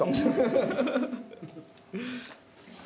ハハハハ！